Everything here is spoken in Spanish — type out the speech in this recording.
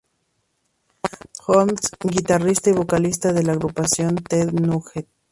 Holmes, guitarrista y vocalista de la agrupación Ted Nugent.